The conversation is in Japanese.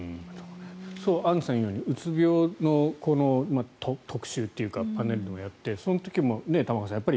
アンジュさんが言うようにうつ病の特集というかパネルでもやってその時も玉川さん